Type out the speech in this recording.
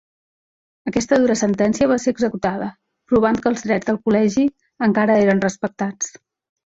Aquesta dura sentència va ser executada, provant que els drets del Col·legi encara eren respectats.